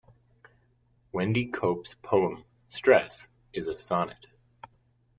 Wendy Cope's poem "Stress" is a sonnet.